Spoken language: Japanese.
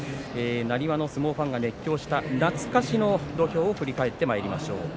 なにわの相撲ファンが熱狂した、懐かしの土俵を振り返ってまいりましょう。